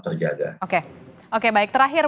terjaga oke oke baik terakhir